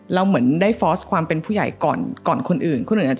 เราเหมือนได้ฟอสความเป็นผู้ใหญ่ก่อนคนอื่น